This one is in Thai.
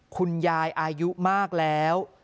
คุณยายอายุมากแล้ว